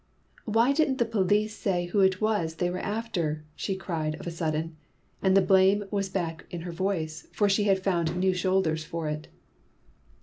"Why didn't the police say who it was they were after?" she cried of a sudden; and the blame was back in her voice, for she had found new shoulders for it.